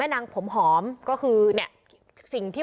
วิทยาลัยศาสตรี